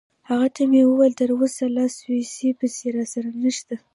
هغه ته مې وویل: تراوسه لا سویسی پیسې راسره نشته.